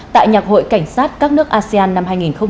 tại nhạc hội cảnh sát các nước asean năm hai nghìn hai mươi